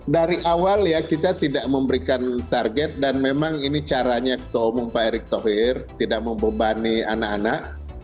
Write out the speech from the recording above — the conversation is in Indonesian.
dari awal ya kita tidak memberikan target dan memang ini caranya ketua umum pak erick thohir tidak membebani anak anak